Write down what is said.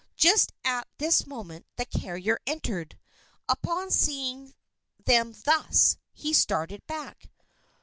Just at this moment, the carrier entered. Upon seeing them thus, he started back.